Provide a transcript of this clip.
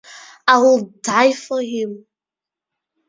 I would die for him.